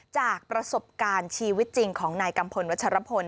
จากประสบการณ์ชีวิตจริงของนายกัมพลวัชรพล